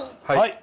はい。